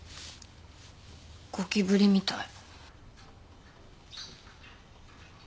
ゴキブリみたい。